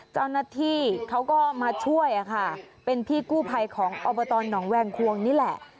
เจ้าหน้าที่เขาก็มาช่วยค่ะเป็นพี่กู้ภัยของอบตหนองแวงควงนี่แหละ